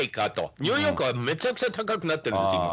ニューヨークはめちゃくちゃ高くなってるんですよ、今。